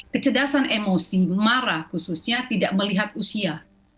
kecerdasan emosi marah khususnya tidak melihat usia